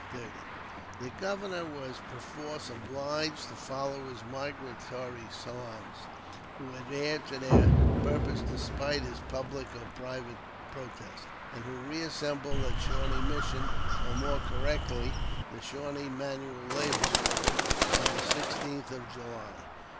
30.] The Governor was perforce obliged to follow his migratory Solons, who adhered to their purpose despite his public or private protests, and who reassembled at Shawnee Mission, or more correctly the Shawnee Manual Labor School, on the 16th of July.